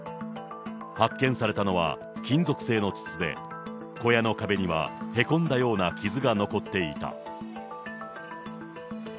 発見されたのは金属製の筒で、小屋の壁にはへこんだような傷が残っていた。